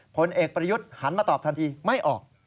ผลเอกประยุทธ์หันมาตอบทันทีไม่ออก